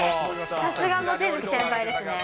さすが望月先輩ですね。